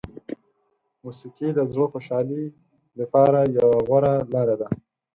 موسیقي د زړه خوشحالي لپاره یوه غوره لاره ده.